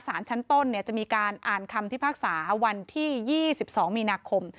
สารชั้นต้นจะมีการอ่านคำพิพากษาวันที่๒๒มีนาคม